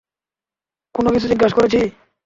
কোন কিছু জিজ্ঞিসা করেছি?